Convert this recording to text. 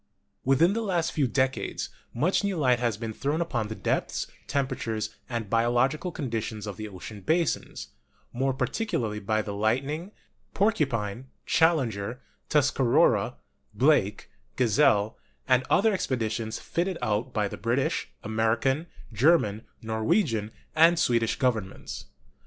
Within the last few decades much new light has been thrown upon the depths, temperatures, and biological conditions of the ocean basins, more particularly by the Lightning, Porcupine, Challenger, Tuscarora, Blake, Gazelle, and other expeditions fitted out by the British, American, Ger man, Norwegian and Swedish Governments.